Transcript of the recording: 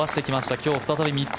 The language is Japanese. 今日、再び３つ。